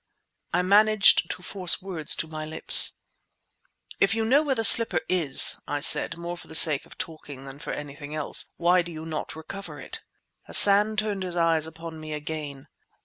I managed to force words to my lips. "If you know where the slipper is," I said, more for the sake of talking than for anything else, "why do you not recover it?" Hassan turned his eyes upon me again.